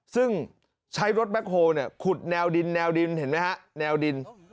ซึ่งใช้รถแมคโฮเนี่ยขุดแนวดินแนวดินเห็นมั้ยฮะแนวดิน